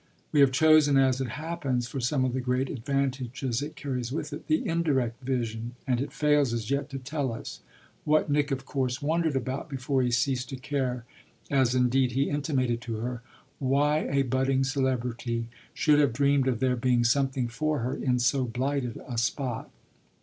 We have chosen, as it happens, for some of the great advantages it carries with it, the indirect vision; and it fails as yet to tell us what Nick of course wondered about before he ceased to care, as indeed he intimated to her why a budding celebrity should have dreamed of there being something for her in so blighted a spot.